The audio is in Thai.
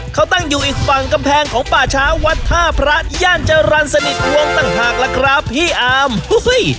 เขาตั้งอยู่อีกฝั่งกำแพงของป่าช้าวัดท่าพระย่านจรรย์สนิทวงต่างหากล่ะครับพี่อามอุ้ย